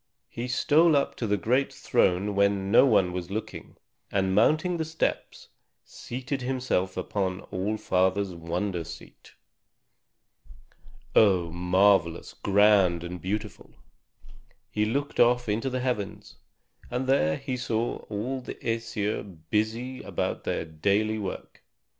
He stole up to the great throne when no one was looking, and mounting the steps, seated himself upon All Father's wonder seat. Oh, marvelous, grand, and beautiful! He looked off into the heavens, and there he saw all the Æsir busy about their daily work.